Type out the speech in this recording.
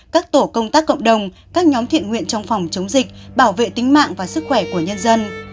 các tổ công tác cộng đồng các nhóm thiện nguyện trong phòng chống dịch bảo vệ tính mạng và sức khỏe của nhân dân